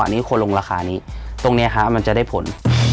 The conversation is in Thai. ตรงนี้มันจะได้ผล